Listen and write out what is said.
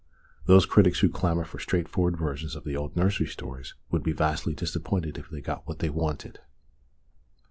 Those critics who clamour for straight forward versions of the old nursery stories would be vastly disappointed if they got what they wanted.